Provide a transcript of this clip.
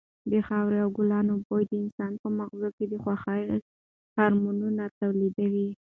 د خاورې او ګلانو بوی د انسان په مغز کې د خوښۍ هارمونونه تولیدوي.